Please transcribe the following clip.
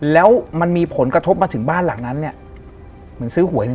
แล้วมันมีผลกระทบมาถึงบ้านหลังนั้นเนี่ย